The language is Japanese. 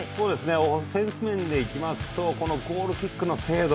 オフェンス面でいくとゴールキックの精度。